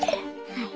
はい。